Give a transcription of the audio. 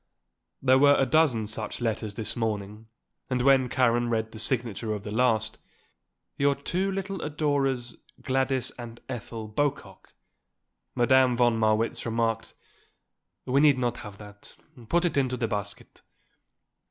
There were a dozen such letters this morning and when Karen read the signature of the last: "Your two little adorers Gladys and Ethel Bocock," Madame von Marwitz remarked: "We need not have that. Put it into the basket."